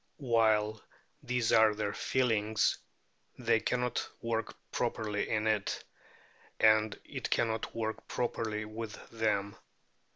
While these are their feelings they cannot work properly in it, and it cannot work properly with them.